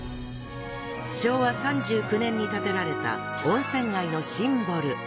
昭和３９年に建てられた温泉街のシンボル。